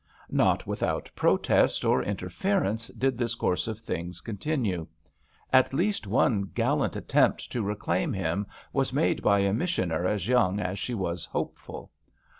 Not without protest or interference did this course of things continue. At least one gallant attempt to reclaim him was made by a missioner as young as she was hopeful.